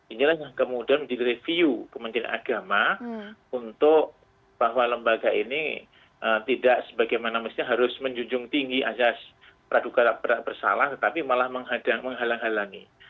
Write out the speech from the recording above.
inilah yang kemudian direview kementerian agama untuk bahwa lembaga ini tidak sebagaimana mesti harus menjunjung tinggi asas peraduga bersalah tetapi malah menghalang halangi